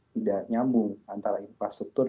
tidak nyambung antara infrastruktur